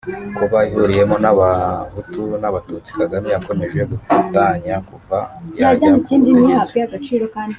kuba ihuriyemo n’abahutu n’abatutsi Kagame yakomeje gutanya kuva yajya ku butegetsi